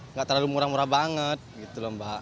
nggak terlalu murah murah banget gitu lomba